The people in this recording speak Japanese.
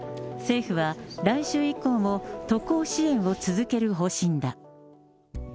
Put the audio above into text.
政府は来週以降も渡航支援を続ける方針だ。